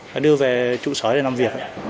và đưa về trụ sở để làm việc